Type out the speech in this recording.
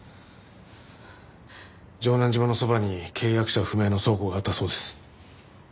城南島のそばに契約者不明の倉庫があったそうです。